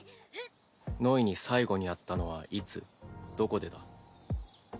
ノイに最後に会ったのはいつどこでだ？